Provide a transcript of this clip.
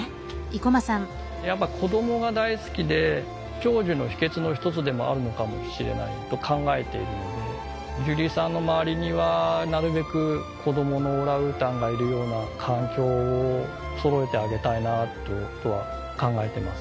やっぱり子供が大好きで長寿の秘けつの一つでもあるのかもしれないと考えているのでジュリーさんの周りにはなるべく子供のオランウータンがいるような環境をそろえてあげたいなっていうことは考えています。